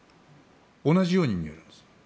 同じように見えるんです。